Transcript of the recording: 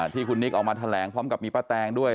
ที่คุณนิกออกมาแถลงพร้อมกับมีป้าแตงด้วย